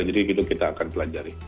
jadi itu kita akan pelajari